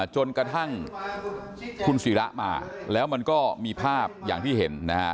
จนกระทั่งคุณศิระมาแล้วมันก็มีภาพอย่างที่เห็นนะฮะ